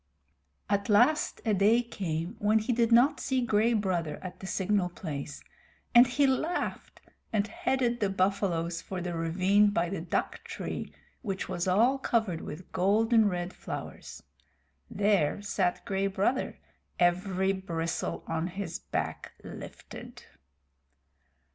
At last a day came when he did not see Gray Brother at the signal place, and he laughed and headed the buffaloes for the ravine by the dhk tree, which was all covered with golden red flowers. There sat Gray Brother, every bristle on his back lifted.